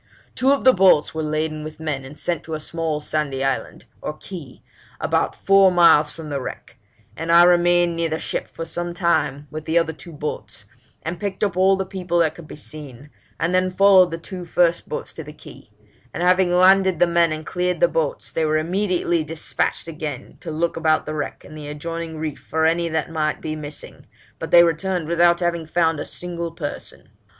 Two of the boats were laden with men and sent to a small sandy island (or key) about four miles from the wreck; and I remained near the ship for some time with the other two boats, and picked up all the people that could be seen, and then followed the two first boats to the key; and having landed the men and cleared the boats, they were immediately despatched again to look about the wreck and the adjoining reef for any that might be missing, but they returned without having found a single person.